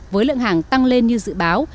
với lượng hàng tăng lên như dự báo